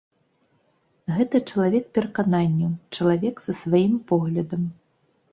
Гэта чалавек перакананняў, чалавек са сваім поглядам.